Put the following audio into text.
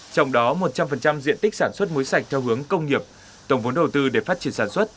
trong đó một trăm linh diện tích sản xuất mối sạch theo hướng công nghiệp tổng vốn đầu tư để phát triển sản xuất